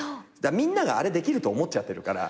みんながあれできると思っちゃってるから。